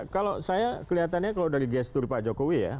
kalau saya kelihatannya kalau dari gestur pak jokowi ya